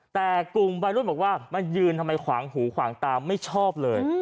แต่กลุ่มวัยรุ่นบอกว่ามายืนทำไมขวางหูขวางตาไม่ชอบเลย